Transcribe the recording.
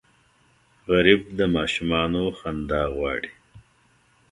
غریب د ماشومانو خندا غواړي